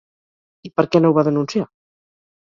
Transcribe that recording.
I per què no ho va denunciar?